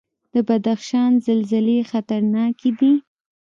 د بدخشان زلزلې خطرناکې دي